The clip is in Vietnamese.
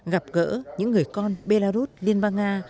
gặp gỡ những người con belarus liên bang nga